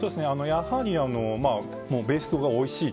やはりベースがおいしい。